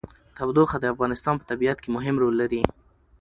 تودوخه د افغانستان په طبیعت کې مهم رول لري.